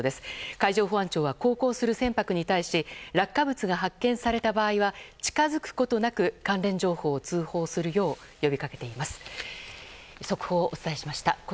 海上保安庁は航行する船舶に対し落下物が発見された場合は近づくことなく関連情報を通報するようおはよう。